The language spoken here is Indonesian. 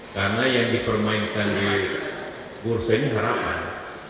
karena yang dipermainkan di bursa ini harapan